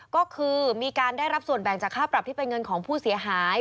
ก็คือมีการได้รับส่วนแบ่งจากค่าปรับที่เป็นเงินของผู้เสียหาย